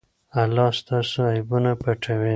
الله ستاسو عیبونه پټوي.